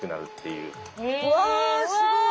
うわすごい。